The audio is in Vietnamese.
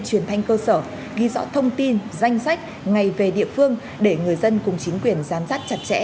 truyền thanh cơ sở ghi rõ thông tin danh sách ngày về địa phương để người dân cùng chính quyền giám sát chặt chẽ